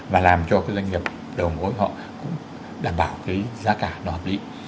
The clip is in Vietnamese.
và làm cho cái doanh nghiệp đầu mối họ cũng đảm bảo cái giá cả nó hợp lý